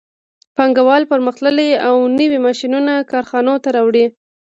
پانګوال پرمختللي او نوي ماشینونه کارخانو ته راوړي